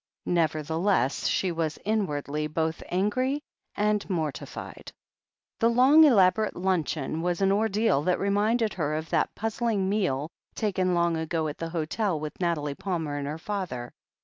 Nevertheless, ^hc was inwardly both angry and mortified. The long, elaborate Itmcheon was an ordeal that reminded her of that puzzling meal taken long ago at the hotel with Nathalie Palmer and her father.